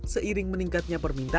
seiring meningkatnya permintaan